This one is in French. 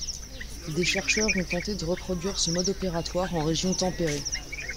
Des chercheurs ont tenté de reproduire ce mode opératoire en région tempérée.